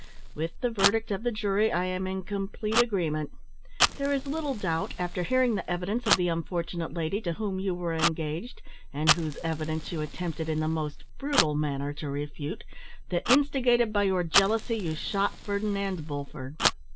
With the verdict of the jury I am in complete agreement. There is little doubt, after hearing the evidence of the unfortunate lady to whom you were engaged, and whose evidence you attempted in the most brutal manner to refute, that, instigated by your jealousy, you shot Ferdinand Bulford.